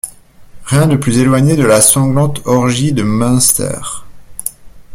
Rien de plus éloigné de la sanglante orgie de Munster.